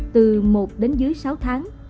từ một đến dưới sáu tháng